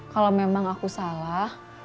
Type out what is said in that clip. kalau memang aku salah